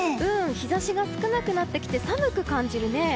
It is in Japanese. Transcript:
日差しが少なくなってきて寒く感じるね。